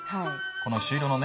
この朱色のね